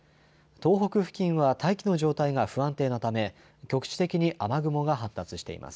東北付近は大気の状態が不安定なため局地的に雨雲が発達しています。